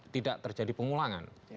tidak terjadi pengulangan